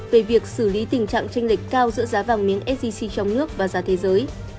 về việc xử lý tình trạng tranh lệch cao giữa giá vàng miếng sgc trong nước và giá thế giới